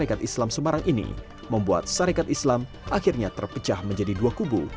masyarakat islam semarang ini membuat sarekat islam akhirnya terpecah menjadi dua kubu